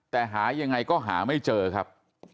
แต่หายังไงก็หาไม่เจอครับ